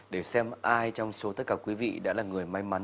để xem ai trong số tất cả quý vị đã là người may mắn